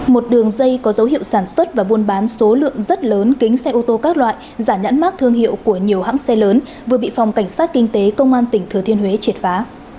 một đường dây có dấu hiệu sản xuất và buôn bán số lượng rất lớn kính xe ô tô các loại giả nhãn mát thương hiệu của nhiều hãng xe lớn vừa bị phòng cảnh sát kinh tế công an tỉnh thừa thiên huế triệt phá